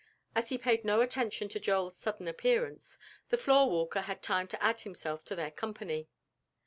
As he paid no attention to Joel's sudden appearance, the floor walker had time to add himself to their company.